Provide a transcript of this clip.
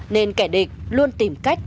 nên kẻ địch luôn tìm cách